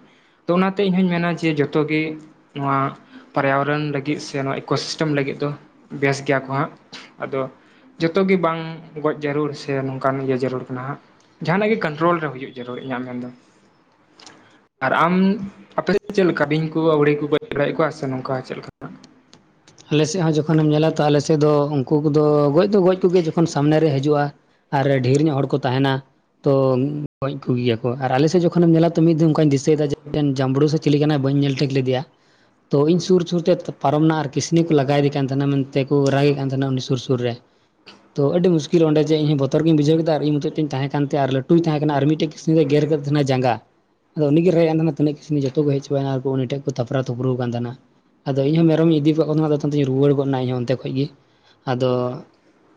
ᱛᱚ, ᱚᱱᱟᱛᱮ ᱤᱧ ᱦᱚᱸᱧ ᱢᱮᱱᱟ ᱡᱮ ᱡᱚᱛᱚ ᱜᱮ ᱱᱚᱣᱟ ᱯᱚᱨᱭᱟ ᱵᱚᱨᱚᱱ ᱞᱟᱹᱜᱤᱫ ᱥᱮ ᱱᱚᱣᱟ ᱤᱠᱳ ᱥᱤᱥᱴᱮᱢ ᱞᱟᱹᱜᱤᱫ ᱫᱚ ᱵᱮᱥ ᱜᱮᱭᱟ ᱠᱚ ᱦᱟᱸᱜ᱾ ᱟᱫᱚ ᱡᱚᱛᱚ ᱜᱮ ᱵᱟᱝ ᱜᱚᱡ ᱡᱟᱹᱨᱩᱲ ᱥᱮ ᱱᱚᱝᱠᱟᱱ ᱤᱭᱟᱹ ᱡᱟᱹᱨᱩᱲ ᱠᱟᱱᱟ ᱦᱟᱸᱜ᱾ ᱡᱟᱦᱟ ᱱᱟᱜ ᱜᱮ ᱠᱟᱱᱴᱨᱳᱞ ᱨᱮ ᱦᱩᱭᱩᱜ ᱡᱟᱹᱨᱩᱲ ᱤᱧᱟᱹᱜ ᱢᱮᱱ ᱫᱚ ᱟᱨ ᱟᱢ ᱟᱯᱮ ᱥᱮᱜ ᱪᱮᱜ ᱞᱮᱠᱟ ᱵᱤᱧ ᱠᱚ ᱟᱹᱣᱲᱤ ᱠᱚ ᱜᱚᱡ ᱵᱟᱲᱟᱭ ᱮᱫ ᱠᱚᱣᱟ ᱥᱮ ᱱᱚᱝᱠᱟ ᱪᱮᱫ ᱞᱮᱠᱟ? ᱟᱞᱮ ᱥᱮᱜ ᱦᱟᱸᱜ ᱡᱚᱠᱷᱚᱱ ᱮᱢ ᱧᱮᱞᱟ ᱛᱚ ᱟᱞᱮ ᱥᱮᱫ ᱫᱚ ᱩᱱᱠᱩ ᱠᱚᱫᱚ ᱜᱚᱡ ᱫᱚ ᱜᱚᱡ ᱠᱚ‌ᱜᱮᱭᱟ ᱡᱚᱠᱷᱚᱱ ᱥᱟᱢᱱᱮ ᱨᱮ ᱦᱤᱡᱩᱜᱼᱟ ᱟᱨ ᱰᱷᱤᱨ ᱧᱚᱜ ᱦᱚᱲ ᱠᱚ ᱛᱟᱦᱮᱱᱟ ᱛᱚ ᱜᱚᱡ ᱠᱚ ᱜᱮᱭᱟ ᱠᱚ ᱟᱨ ᱟᱞᱮ ᱥᱮᱫ ᱡᱚᱠᱷᱚᱱ ᱮᱢ ᱧᱮᱞᱟ ᱛᱚ ᱢᱤᱜ ᱫᱚᱢᱠᱟᱧ ᱫᱤᱥᱟᱹᱭ ᱫᱟ ᱡᱮ ᱢᱤᱴᱮᱱ ᱡᱟᱢᱵᱽᱲᱩ ᱥᱮ ᱪᱤᱞᱤᱠ ᱠᱟᱱᱟᱭ ᱵᱟᱹᱧ ᱧᱮᱞ ᱴᱷᱤᱠ ᱞᱮᱫᱮᱭ-ᱟ ᱛᱚ ᱤᱧ ᱥᱩᱨ ᱥᱩᱨ ᱛᱮ ᱯᱟᱨᱚᱢ ᱱᱟ ᱟᱨ ᱩᱱᱤ ᱠᱚ ᱞᱟᱜᱟᱭ ᱥᱮ ᱠᱟᱱ ᱛᱦᱮᱱᱟ ᱢᱮᱱ ᱛᱮ ᱠᱚ ᱨᱟᱜ ᱮᱫ ᱠᱟᱱ ᱛᱟᱦᱮᱱᱟ ᱩᱱᱤ ᱥᱩᱨ ᱥᱩᱨ ᱨᱮ ᱛᱚ ᱟᱹᱰᱤ ᱢᱩᱥᱠᱤᱞ ᱚᱸᱰᱮ ᱡᱮ ᱤᱧ ᱵᱚᱛᱚᱨ ᱜᱤᱧ ᱵᱩᱡᱷᱟᱹᱣ ᱠᱮᱫᱟ ᱟᱨ ᱤᱧ ᱦᱚᱛᱚᱡ ᱛᱤᱧ ᱛᱟᱦᱮᱸ ᱠᱟᱱ ᱛᱮ ᱟᱨ ᱞᱟᱹᱴᱩᱭ ᱛᱟᱦᱮᱸ ᱠᱟᱱᱟ ᱟᱨ ᱢᱤᱫ‌ ᱴᱮᱡ ᱠᱤᱥᱱᱤ ᱜᱮᱨ ᱠᱟᱫᱮ ᱛᱟᱦᱮᱱᱟ ᱡᱟᱸᱜᱟ ᱟᱫᱚ ᱩᱱᱤ ᱜᱮ ᱨᱮ ᱠᱟᱱ ᱛᱟᱦᱮᱱᱟ ᱛᱤᱱᱟᱹᱜ ᱠᱤᱥᱱᱤ ᱡᱚᱛᱚ ᱠᱚ ᱦᱮᱡ ᱪᱟᱵᱟᱭ ᱱᱟ ᱟᱨ ᱩᱱᱤ ᱴᱷᱮᱡ ᱠᱚ ᱛᱷᱟᱯᱨᱟ ᱛᱷᱩᱯᱨᱩ ᱠᱟᱱ ᱛᱟᱦᱮᱱᱟ ᱟᱫᱚ ᱤᱧ ᱦᱚᱸ ᱢᱮᱨᱚᱢ ᱤᱧ ᱤᱫᱤ ᱠᱟᱜ ᱠᱚ ᱛᱮᱦᱮᱱᱟ ᱟᱫᱚ [unintelligible] ᱨᱩᱣᱟᱹᱲ ᱜᱚᱫ ᱱᱟ ᱤᱧ ᱦᱚᱸ ᱚᱱᱛᱮ ᱠᱷᱚᱡ ᱜᱤ ᱟᱫᱚ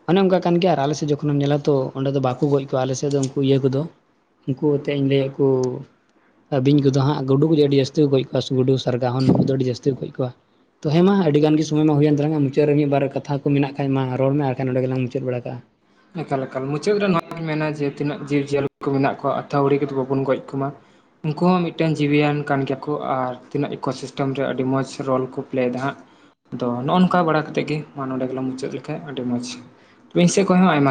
ᱚᱱᱮ ᱚᱝᱠᱟ ᱠᱟᱱ ᱜᱮᱭᱟ ᱟᱨ ᱟᱞᱮ ᱥᱮᱜ ᱡᱚᱠᱷᱚᱱ ᱮᱢ ᱧᱮᱞ ᱛᱚ ᱚᱸᱰᱮ ᱫᱚ ᱵᱟ ᱠᱚ ᱜᱚᱡ ᱠᱚᱣᱟ ᱟᱞᱮ ᱥᱮᱜ ᱫᱚ ᱩᱱᱠᱩ ᱤᱭᱟᱹ ᱠᱚᱫᱚ ᱩᱝᱠᱩ ᱛᱮᱧ ᱞᱮ. ᱭ ᱭᱟᱫ ᱠᱚ, ᱟᱵᱤᱱ ᱠᱚᱫᱚ ᱦᱟᱸᱜ ᱜᱩᱰᱩ ᱜᱮ ᱜᱮ ᱡᱟ. ᱥᱛᱤ ᱠᱚ ᱜᱚᱡᱽ ᱵᱟᱥ ᱜᱩᱰᱩ ᱥᱟᱨᱜᱟ ᱦᱚ ᱱᱩᱠᱩ ᱫᱚ ᱟᱹᱰᱤ ᱡᱟᱹᱛᱤ ᱠᱚ ᱜᱚᱡᱽ ᱠᱚᱣᱟ, ᱛᱚ ᱦᱮᱸ ᱢᱟ ᱟᱹᱰᱤ ᱜᱟᱱ ᱜᱮ ᱥᱩᱢᱳᱭ ᱢᱟ ᱦᱩᱭᱮᱱ ᱛᱟᱞᱟᱝᱟ ᱢᱩᱪᱟᱹᱫ ᱨᱮ ᱢᱤᱫᱵᱟᱨ ᱠᱟᱛᱷᱟ ᱠᱚ ᱢᱮᱱᱟᱜ ᱠᱷᱟᱱ ᱢᱟ ᱨᱚᱲ ᱢᱮ ᱟᱨ ᱵᱟᱝᱠᱷᱟᱱ ᱱᱚᱰᱮ ᱜᱮᱞᱟᱝ ᱢᱩᱪᱟᱹᱫ ᱵᱟᱲᱟ ᱠᱟᱜᱼᱟ ᱾ ᱮᱠᱟᱞ ᱮᱠᱟᱞ ᱢᱩᱪᱟᱹᱫ ᱨᱮ ᱱᱚᱭᱟ ᱜᱮᱧ ᱢᱮᱱᱟ ᱡᱮ ᱛᱤᱱᱟᱹᱜ ᱡᱤᱵᱽᱡᱤᱭᱟᱹᱞᱤ ᱠᱚ ᱢᱮᱱᱟᱜ ᱠᱚᱣᱟᱜ ᱟᱛᱷᱟᱣᱲᱤ ᱠᱟᱛᱮ ᱵᱟᱵᱩᱱ ᱜᱚᱡ ᱠᱚᱢᱟ ᱾ ᱩᱱᱠᱩ ᱦᱚᱸ ᱢᱤᱫᱴᱟᱱ ᱡᱤᱣᱤᱭᱟᱱ ᱠᱟᱱ ᱜᱮᱭᱟᱠᱚ ᱟᱨ ᱛᱤᱱᱟᱹᱜ ᱤᱠᱳ ᱥᱤᱥᱴᱮᱢ ᱨᱮ ᱟᱹᱰᱤ ᱢᱚᱸᱡᱽ ᱨᱳᱞ ᱠᱚ ᱯᱞᱮ ᱭᱮᱫᱟ ᱦᱟᱸᱜ ᱫᱚ ᱱᱚᱜ-ᱚ ᱱᱚᱝᱠᱟ ᱵᱟᱲᱟ ᱠᱟᱛᱮ ᱜᱮ ᱢᱟ ᱱᱚᱰᱮ ᱜᱮᱞᱟᱝ ᱢᱩᱪᱟᱹᱫ ᱞᱮᱠᱷᱟᱡ ᱟᱹᱰᱤ ᱢᱚᱸᱡᱽ ᱾ ᱤᱧ ᱥᱮᱜ ᱠᱷᱚᱡ ᱦᱚᱸ ᱟᱭᱢᱟ